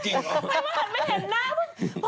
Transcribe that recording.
ไม่เห็นห้ามน้าแน่